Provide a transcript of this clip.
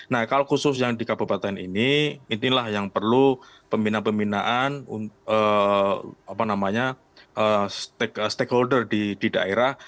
nah kalau khusus yang di kabupaten ini inilah yang perlu pembinaan pembinaan stakeholder di daerah